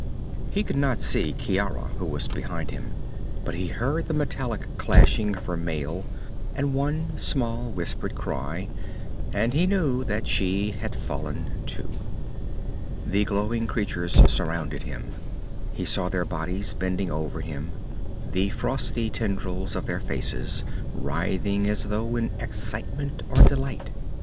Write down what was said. He could not see Ciara, who was behind him, but he heard the metallic clashing of her mail and one small, whispered cry, and he knew that she had fallen, too. The glowing creatures surrounded him. He saw their bodies bending over him, the frosty tendrils of their faces writhing as though in excitement or delight.